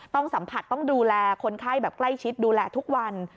ต้องสัมผัสต้องดูแลคนไข้แบบใกล้ชิดดูแลทุกวัน